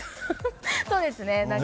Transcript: そうですね。